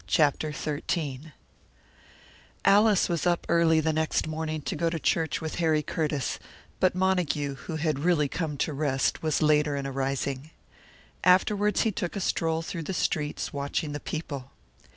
CHAPTER XIII Alice was up early the next morning to go to church with Harry Curtiss, but Montague, who had really come to rest, was later in arising. Afterwards he took a stroll through the streets, watching the people.